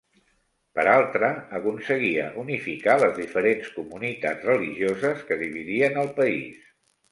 Per altra, aconseguia unificar les diferents comunitats religioses que dividien el país.